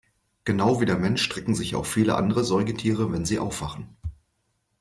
Genau wie der Mensch strecken sich auch viele andere Säugetiere, wenn sie aufwachen.